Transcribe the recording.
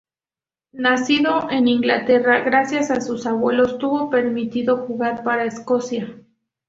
Nacido en Inglaterra, gracias a sus abuelos, tuvo permitido jugar para Escocia.